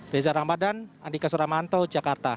reza ramadan andika suramanto jakarta